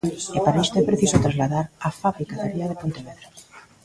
E para isto é preciso trasladar a fábrica da ría de Pontevedra.